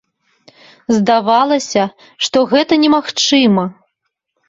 Здавалася, што гэта немагчыма.